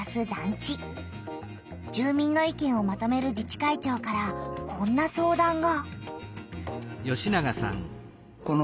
住みんの意見をまとめる自治会長からこんな相談が。